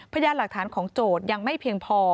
พยานหลักฐานของโจทย์ยังไม่เพียงพอ